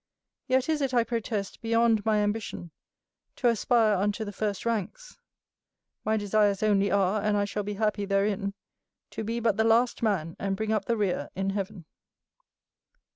Yet is it, I protest, beyond my ambition to aspire unto the first ranks; my desires only are, and I shall be happy therein, to be but the last man, and bring up the rear in heaven.